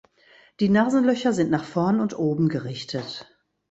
Die Nasenlöcher sind nach vorn und oben gerichtet.